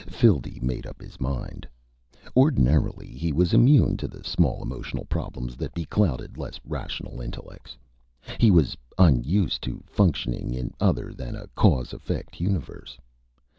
Phildee made up his mind. Ordinarily, he was immune to the small emotional problems that beclouded less rational intellects. He was unused to functioning in other than a cause/effect universe.